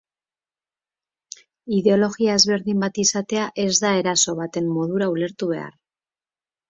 Ideologia ezberdin bat izatea ez da eraso baten modura ulertu behar.